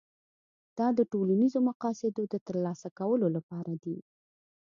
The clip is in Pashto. دا د ټولنیزو مقاصدو د ترلاسه کولو لپاره دي.